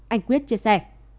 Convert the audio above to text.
anh quyết chia sẻ